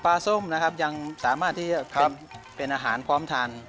ส้มนะครับยังสามารถที่จะเป็นอาหารพร้อมทาน